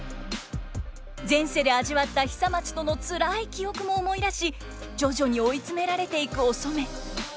前世で味わった久松とのつらい記憶も思い出し徐々に追い詰められていくお染。